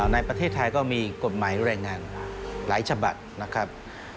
ในประเทศไทยก็มีกฎหมายแรงงานหลายฉบับนะครับ